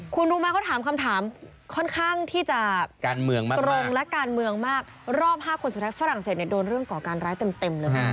คุณดูมาก็ถามคำถามค่อนข้างที่จะตรงและการเมืองมากรอบห้าคนสุดท้ายฝรั่งเศสโดนเรื่องก่อการร้ายเต็มเลย